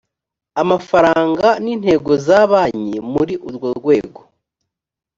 amafaranga n intego za banki muri urwo rwego